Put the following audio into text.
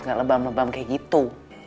gak lebam lebam kayak gitu